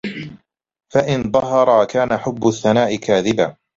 فَإِنْ ظَهَرَا كَانَ حُبُّ الثَّنَاءِ كَاذِبًا